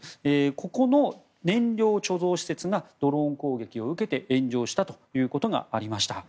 ここの燃料貯蔵施設がドローン攻撃を受けて炎上したということがありました。